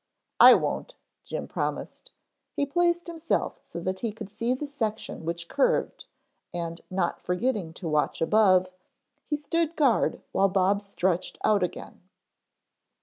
"I won't," Jim promised. He placed himself so that he could see the section which curved and not forgetting to watch above, he stood guard while Bob stretched out again.